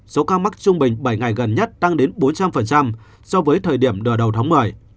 số ca mắc trung bình bảy ngày gần nhất tăng đến bốn trăm linh so với thời điểm nửa đầu tháng một mươi